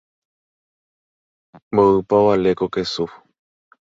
Mboýpa ovale ko kesu.